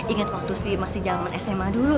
ingat waktu sih masih zaman sma dulu